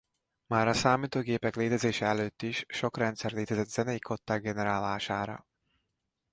Már a számítógépek létezése előtt is sok rendszer létezett zenei kották generálására.